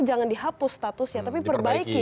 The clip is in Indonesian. jangan dihapus statusnya tapi perbaiki